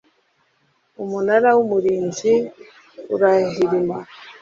umunara w umurinzi urahirima